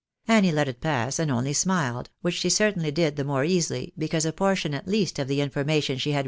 " Annie let it pass, and only smiled, which she certainly did the , more easily, because a portion at least of the information she had